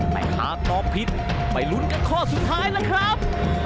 แต่หากตอบผิดไปลุ้นกันข้อสุดท้ายล่ะครับ